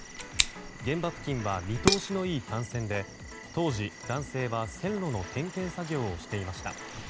現場付近は見通しのいい単線で当時、男性は線路の点検作業をしていました。